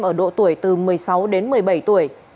ở độ tuổi từ một mươi sáu đến một mươi bảy tuổi